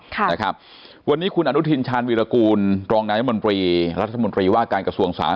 ส่วนในประเทศเราเองก็อย่างที่เราไล่มาสักครู่เนี่ยกรุงเทพมหานครปริมนธนมีมาตรการออกมาแล้ว